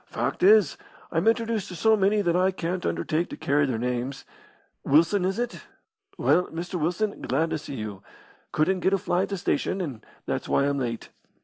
"Fact is, I'm introduced to so many that I can't undertake to carry their names. Wilson, is it? Well, Mr. Wilson, glad to see you. Couldn't get a fly at the station, and that's why I'm late."